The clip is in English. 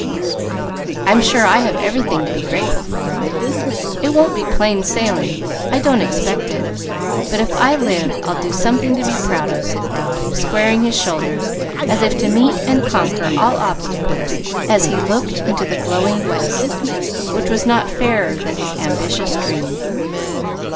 "I'm sure I have everything to be grateful for. It won't be plain sailing I don't expect it; but, if I live, I'll do something to be proud of," said Ralph, squaring his shoulders as if to meet and conquer all obstacles as he looked into the glowing west, which was not fairer than his ambitious dreams.